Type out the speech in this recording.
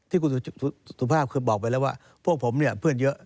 ที่คุณสุภาพคือบอกไปแล้วว่าพวกผมเนี่ยเพื่อนเยอะ